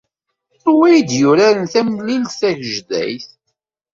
Anwa ay d-yuraren tamlilt tagejdayt?